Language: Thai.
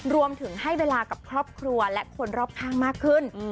รวมถึงให้เวลากับครอบครัวและคนรอบข้างมากขึ้น